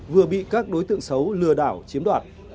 vừa bị các đối tượng xấu lừa đảo chiếm đoạt